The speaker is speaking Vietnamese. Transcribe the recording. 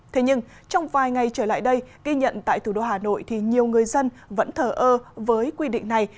thế nhưng trong vài ngày trở lại đây ghi nhận tại thủ đô hà nội thì nhiều người dân vẫn thở ơ với quy định này